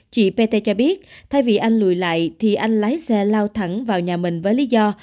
chị pt cho biết thay vì anh lùi lại thì anh lái xe lao thẳng vào nhà mình với lý do